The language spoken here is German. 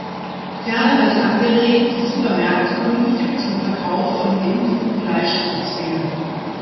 Ferner wird angeregt, die Supermärkte künftig zum Verkauf von geimpftem Fleisch zu zwingen.